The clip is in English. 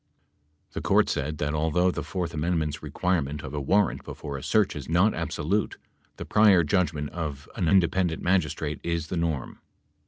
The Court said that, although the fourth amendment's requirement of a warrant before a search is not absolute, the prior judgment of an independent magistrate is the norm.